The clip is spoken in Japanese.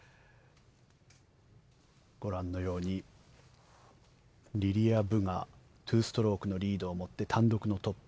ご覧のようにリリア・ブが２ストロークのリードをもって単独のトップ。